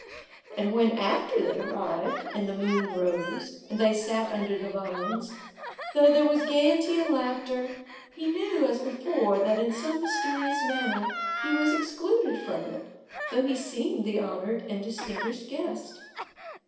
And when after they arrived, and the moon rose, and they sat under the vines, though there was gayety and laughter, he knew, as before, that in some mysterious manner he was excluded from it, though he seemed the honored and distinguished guest.